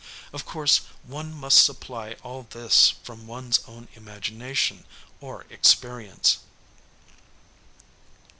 Of course one must supply all this from one's own imagination or experience.